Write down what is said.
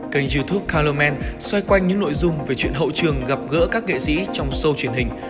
kênh youtube color man xoay quanh những nội dung về chuyện hậu trường gặp gỡ các nghệ sĩ trong show truyền hình